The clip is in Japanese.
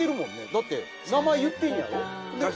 だって名前言ってんやろ？